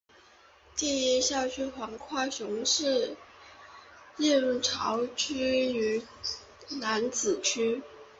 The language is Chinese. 第一校区横跨高雄市燕巢区与楠梓区。